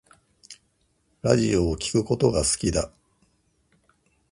ラジオを聴くことが好きだ